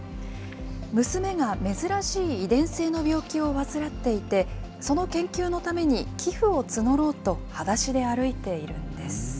娘が珍しい遺伝性の病気を患っていて、その研究のために寄付を募ろうと、はだしで歩いているんです。